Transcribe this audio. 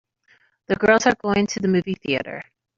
The girls are going to the movie theater.